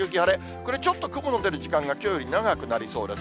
これちょっと雲の出る時間帯がきょうより長くなりそうです。